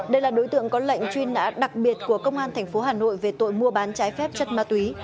đây là đối tượng có lệnh truy nã đặc biệt của công an tp hà nội về tội mua bán trái phép chất ma túy